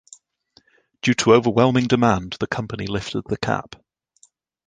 Due to overwhelming demand, the company lifted the cap.